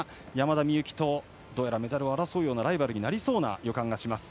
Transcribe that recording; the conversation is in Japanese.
この辺りが山田美幸とどうやらメダルを争うライバルになりそうな予感がします。